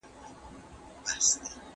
په بس کې بدن بوی منل کېږي.